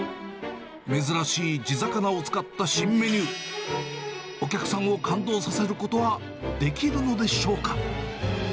珍しい地魚を使った新メニュー、お客さんを感動させることはできるのでしょうか。